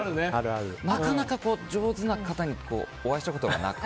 なかなか上手な方にお会いしたことがなく。